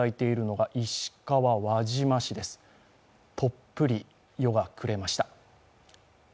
とっぷり夜が暮れました。